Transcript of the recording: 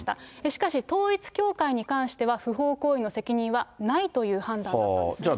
しかし、統一教会に関しては不法行為の責任はないという判断だったんですね。